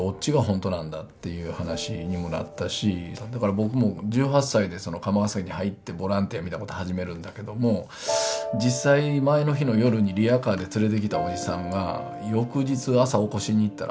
僕も１８歳で釜ヶ崎入ってボランティアみたいなこと始めるんだけども実際前の日の夜にリヤカーで連れてきたおじさんが翌日朝起こしに行ったら。